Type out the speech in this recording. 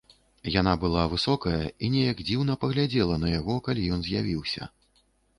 Яна была высокая і нейк дзіўна паглядзела на яго, калі ён з'явіўся.